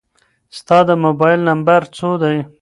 ستا د موبایل نمبر څو دی؟